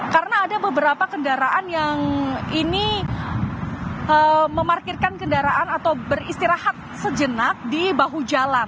karena ada beberapa kendaraan yang ini memarkirkan kendaraan atau beristirahat sejenak di bahu jalan